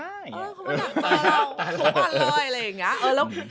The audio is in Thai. เค้ามาดับตัวเราทุกวันเลย